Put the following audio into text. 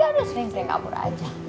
karena sering sering kabur aja